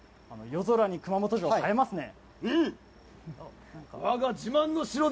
夜空に熊本城が映えますね。